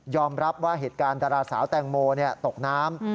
รับว่าเหตุการณ์ดาราสาวแตงโมตกน้ำ